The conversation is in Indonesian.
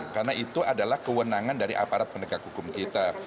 karena itu adalah kewenangan dari aparat pendekat hukum kita